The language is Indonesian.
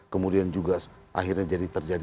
kemudian juga akhirnya jadi terjadi